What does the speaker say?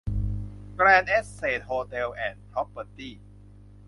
แกรนด์ แอสเสท โฮเทลส์ แอนด์ พรอพเพอร์ตี้